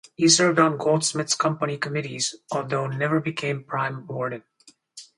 He served on Goldsmiths' Company committees although never became Prime Warden.